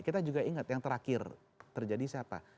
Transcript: kita juga ingat yang terakhir terjadi siapa